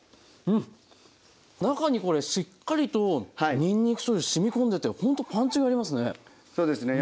中にこれしっかりとにんにくしょうゆしみこんでてほんとパンチがありますね。